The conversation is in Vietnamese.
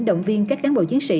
động viên các cán bộ chiến sĩ